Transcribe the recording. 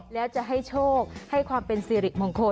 แล้วจะให้โชคให้ความเป็นสิริมงคล